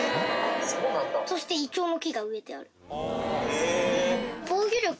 そしてイチョウの木が植えてある。